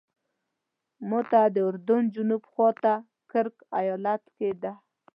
موته د اردن جنوب خواته کرک ایالت کې ده.